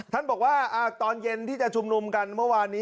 ท่านบอกว่าตอนเย็นที่จะชุมนุมกันเมื่อวานนี้